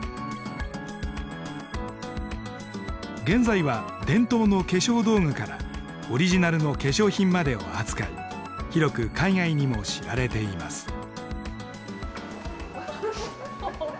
現在は伝統の化粧道具からオリジナルの化粧品までを扱い広く海外にも知られています。